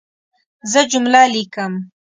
زه جمله لیکم.